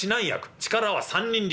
力は３人力。